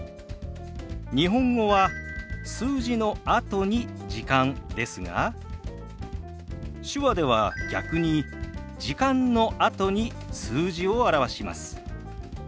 日本語は数字のあとに「時間」ですが手話では逆に「時間」のあとに数字を表します。